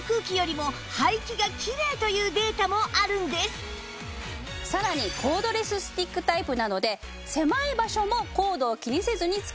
なんとさらにコードレススティックタイプなので狭い場所もコードを気にせずに使えます。